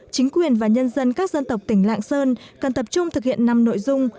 chính quyền và nhân dân các dân tộc tỉnh lạng sơn cần tập trung thực hiện năm nội dung